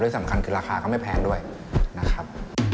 สำคัญคือราคาก็ไม่แพงด้วยนะครับ